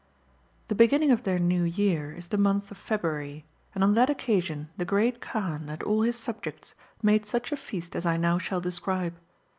Ti iE beginning of their New Year is the month of February, and on that occasion the Great Kaan and all his subjects made such a Feast as I now shall describe.